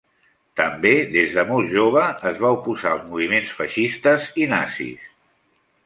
També, des de molt jove, es va oposar als moviments feixistes i nazis.